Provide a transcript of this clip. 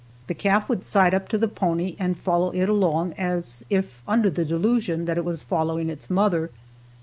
The calf would side up to the pony and follow it along as if under the delusion that it was following its mother.